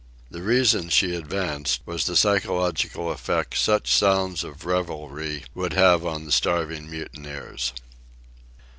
The reason she advanced was the psychological effect such sounds of revelry would have on the starving mutineers.